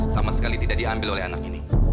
sama sekali tidak diambil oleh anak ini